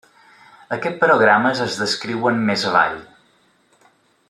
Aquests programes es descriuen més avall.